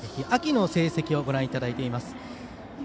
秋の成績をご覧いただいてます。